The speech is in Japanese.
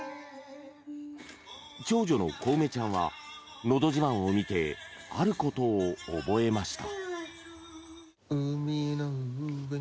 長女の幸芽ちゃんは「のど自慢」を見てあることを覚えました。